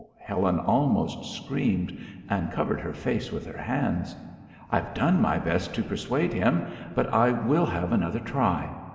Helen almost screamed, and covered her face with her hands. "I've done my best to persuade him. But I will have another try.